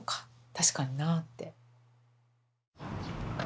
確かになって。